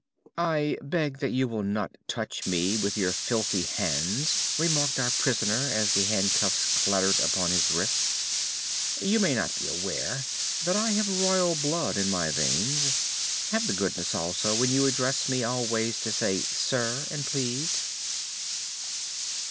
"I beg that you will not touch me with your filthy hands," remarked our prisoner as the handcuffs clattered upon his wrists. "You may not be aware that I have royal blood in my veins. Have the goodness, also, when you address me always to say 'sir' and 'please.